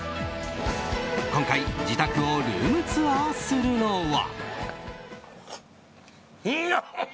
今回、自宅をルームツアーするのは。